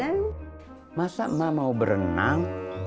kata si nenek tadi pulang sekolah mau berenang